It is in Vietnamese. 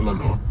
nó lên nữa